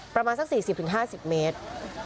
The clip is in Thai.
ประมาณสัก๔๐๕๐เมตร